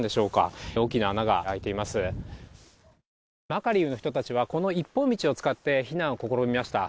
マカリウの人たちは、この一本道を使って避難を試みました。